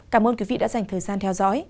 cảm ơn quý vị đã dành thời gian theo dõi